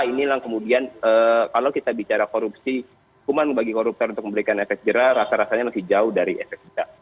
inilah kemudian kalau kita bicara korupsi hukuman bagi koruptor untuk memberikan efek jerah rasa rasanya masih jauh dari efek jerah